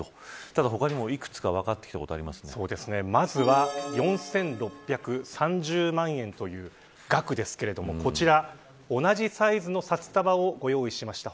ただ他にもいくつか分かってきたことがありますね。まずは４６３０万円という額ですけれどもこちら同じサイズの札束をご用意いたしました。